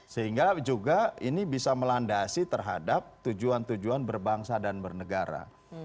sehingga juga ini bisa melandasi terhadap tujuan tujuan berbangsa dan bernegara